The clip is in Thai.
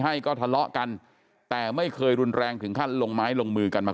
ให้ก็ทะเลาะกันแต่ไม่เคยรุนแรงถึงขั้นลงไม้ลงมือกันมา